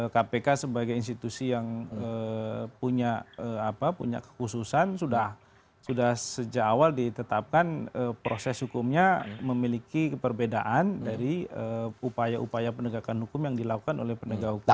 kpk sebagai institusi yang punya kekhususan sudah sejak awal ditetapkan proses hukumnya memiliki keperbedaan dari upaya upaya penegakan hukum yang dilakukan oleh penegak hukum